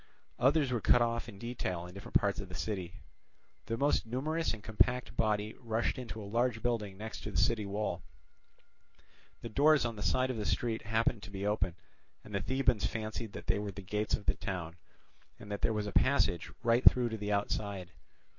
Others were cut off in detail in different parts of the city. The most numerous and compact body rushed into a large building next to the city wall: the doors on the side of the street happened to be open, and the Thebans fancied that they were the gates of the town, and that there was a passage right through to the outside.